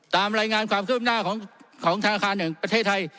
ตามรายงานของของทางค้าหนึ่งประเทศไทย